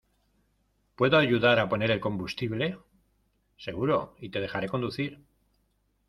¿ Puedo ayudar a poner el combustible? ¡ seguro! y te dejaré conducir.